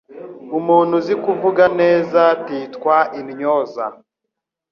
Umuntu uzi kuvuga neza titwa intyoza